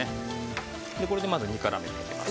これでまず煮絡めていきます。